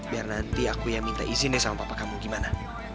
biar nanti aku yang minta izin deh sama papa kamu gimana